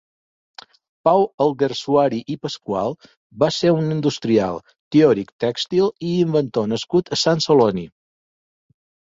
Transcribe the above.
Pau Alguersuari i Pascual va ser un industrial, teòric tèxtil i inventor nascut a Sant Celoni.